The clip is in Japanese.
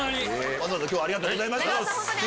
わざわざ今日はありがとうございました！